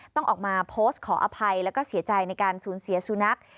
ต้องออกมาโพสต์ขออภัยแล้วก็เสียใจในการสูญเสียสุนัข